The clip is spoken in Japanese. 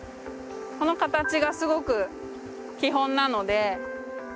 この形がすごく基本なので。